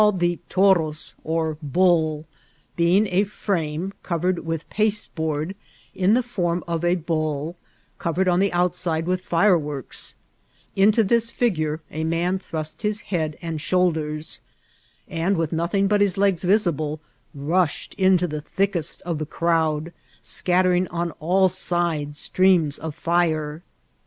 ed the Toros, or Bull, being a firame covered with paste* board, in the form of a bull, covered on the outside with fireworks ; into this figure a man thrust his head and shoulders, and, with nothing but his legs visible, Tushed into the thickest of the crowd, scattering on all sides streams of fire.